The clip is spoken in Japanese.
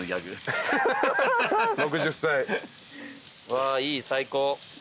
６０歳。わいい最高。